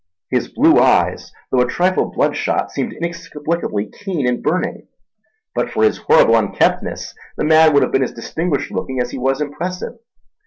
His blue eyes, though a trifle bloodshot, seemed inexplicably keen and burning. But for his horrible unkemptness the man would have been as distinguished looking as he was impressive.